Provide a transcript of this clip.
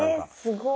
すごい。